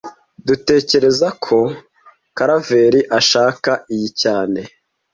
Dutekereza ko Karaveri ashaka iyi cyane